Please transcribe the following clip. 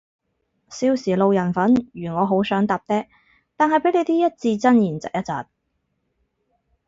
少時路人粉如我好想搭嗲，但係被你啲一字真言疾一疾